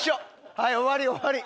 はい終わり終わり。